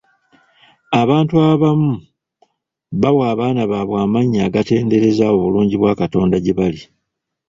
Abantu abamu bawa abaana baabwe amannya agatendereza obulungi bwa Katonda gye bali.